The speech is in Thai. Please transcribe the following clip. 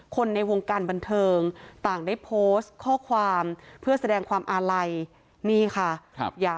ในวงการบันเทิงต่างได้โพสต์ข้อความเพื่อแสดงความอาลัยนี่ค่ะ